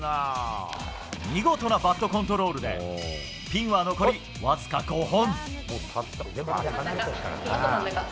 見事なバットコントロールでピンは残りわずか５本。